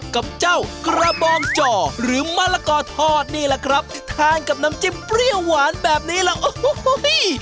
กับเจ้ากระบองจ่อหรือมะละกอทอดนี่แหละครับทานกับน้ำจิ้มเปรี้ยวหวานแบบนี้แล้วโอ้โห